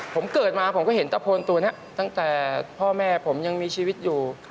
ผมเกิดมาผมก็เห็นตะโพนตัวนี้ตั้งแต่พ่อแม่ผมยังมีชีวิตอยู่